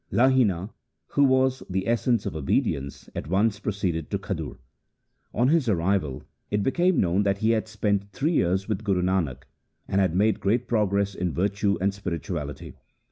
Lahina, who was the essence of obedience, at once proceeded to Khadur. On his arrival it became known that he had spent three years with Guru Nanak, and had made great progress in virtue and spirituality.